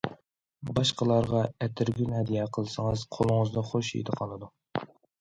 باشقىلارغا ئەتىرگۈل ھەدىيە قىلسىڭىز، قولىڭىزدا خۇش ھىدى قالىدۇ.